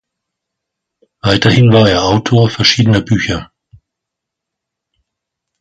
Weiterhin war er Autor verschiedener Bücher.